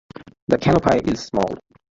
The canopy is small.